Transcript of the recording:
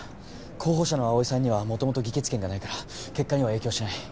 候補者の葵さんには元々議決権がないから結果には影響しない。